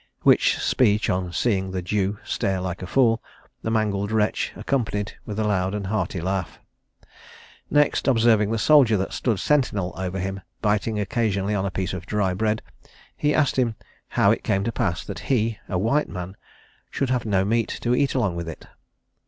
Which speech, on seeing the Jew stare like a fool, the mangled wretch accompanied with a loud and hearty laugh. Next, observing the soldier that stood sentinel over him biting occasionally a piece of dry bread, he asked him how it came to pass that he, a white man, should have no meat to eat along with it.